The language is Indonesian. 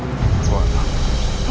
gue gak mau